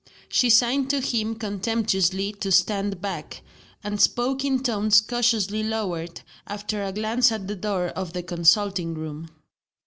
She signed to him contemptuously to stand back and spoke in tones cautiously lowered, after a glance at the door of the consulting room.